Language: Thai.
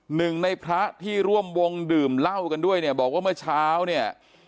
หนึ่งในพระที่ร่วมวงดื่มเหล้ากันด้วยเนี่ยบอกว่าเมื่อเช้าเนี่ย